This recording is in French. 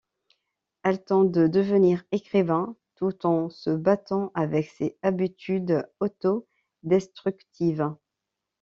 Elle tente de devenir écrivain, tout en se battant avec ses habitudes auto-destructives.